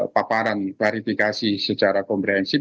paparan klarifikasi secara komprehensif